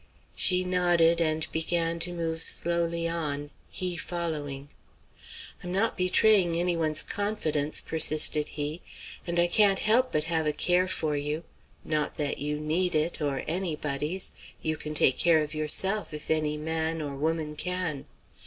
She nodded and began to move slowly on, he following. "I'm not betraying anyone's confidence," persisted he; "and I can't help but have a care for you. Not that you need it, or anybody's. You can take care of yourself if any man or woman can.